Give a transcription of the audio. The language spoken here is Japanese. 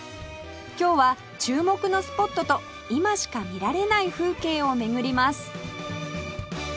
今日は注目のスポットと今しか見られない風景を巡ります